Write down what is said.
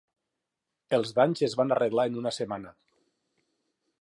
Els danys es van arreglar en una setmana.